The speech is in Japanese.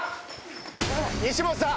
西本さん！